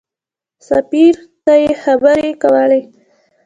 سفیر ته خبرې کولې.